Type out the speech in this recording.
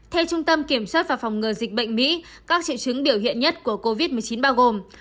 theo trung tâm kiểm soát và phòng ngừa dịch bệnh mỹ các triệu chứng biểu hiện nhất của covid một mươi chín bao gồm